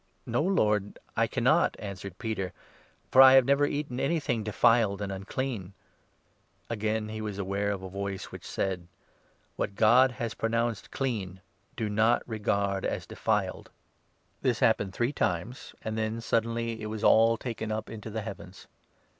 " No, Lord, I cannot," answered Peter, "for I have never 14 eaten anything ' defiled ' and ' unclean '." Again he was aware of a voice which said — "What God 15 has pronounced ' clean ', do not regard as ' defiled '."* Enoch 99. 3. THE ACTS, 1O. 233 This happened three times, and then suddenly it was all 16 taken up into the heavens.